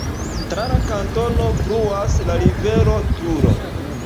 Tra la kantono fluas la rivero Turo.